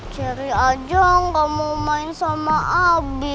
ceri aja gak mau main sama abi